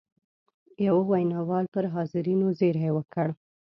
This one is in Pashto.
یوه ویناوال پر حاضرینو زېری وکړ.